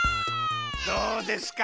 どうですか？